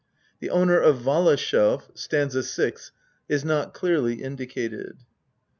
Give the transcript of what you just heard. The owner of Vala shelf (st. 6) is not clearly indicated.